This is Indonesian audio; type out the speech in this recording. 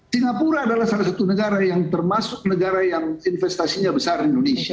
singapura adalah salah satu negara yang termasuk negara yang investasinya besar indonesia